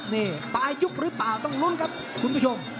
นี่ปลายยุบหรือเปล่าต้องลุ้นครับคุณผู้ชม